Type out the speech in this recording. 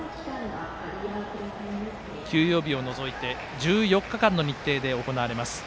休養日を除いて１４日間の日程で行われます